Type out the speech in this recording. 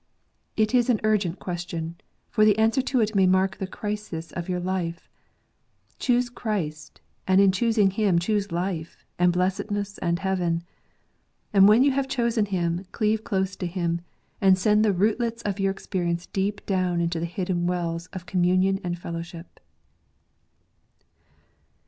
It is an urgent question, for the answer to it may mark the crisis of your lives. Choose Christ; and, in choosing Him, choose life, and blessedness, and heaven. And when you have chosen Him, cleave close to Him, and send the rootlets of your existence deep down into the hidden wells of communion and fellowship.